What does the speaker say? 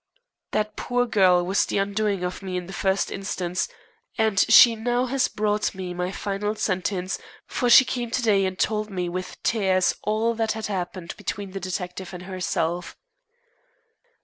That poor girl was the undoing of me in the first instance, and she now has brought me my final sentence, for she came to day and told me, with tears, all that happened between the detective and herself.